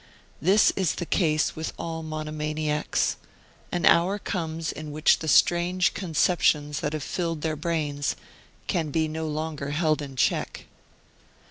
This is the case with all monomaniacs; an hour comes in which the strange conceptions that have filled their brains can be no longer held in check.